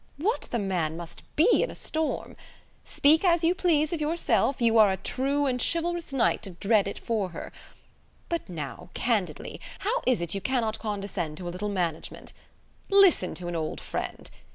"What the man must be in a storm! Speak as you please of yourself: you are a true and chivalrous knight to dread it for her. But now, candidly, how is it you cannot condescend to a little management? Listen to an old friend.